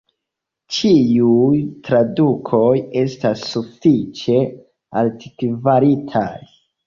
Ĉiuj tradukoj estas sufiĉe altkvalitaj.